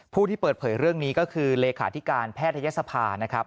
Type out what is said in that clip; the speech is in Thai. ผู้ที่เปิดเผยเรื่องนี้ก็คือเลขาธิการแพทยศภานะครับ